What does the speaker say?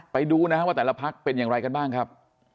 ไปดูนะครับว่าแต่ละพักเป็นอย่างไรกันบ้างครับ